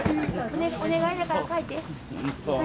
お願いだから書いて。